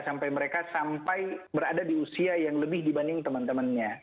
sampai mereka sampai berada di usia yang lebih dibanding teman temannya